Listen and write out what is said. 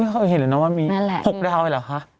ไม่เคยเห็นเลยนะว่ามี๖ดาวเลยหรอคะ